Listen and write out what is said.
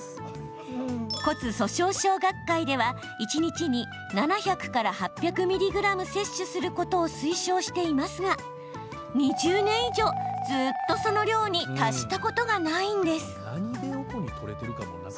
骨粗しょう症学会では、一日に７００ｍｇから８００ｍｇ摂取することを推奨していますが２０年以上、ずっとその量に達したことがないんです。